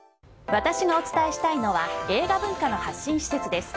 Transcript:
私がお伝えしたいのは映画文化の発信施設です。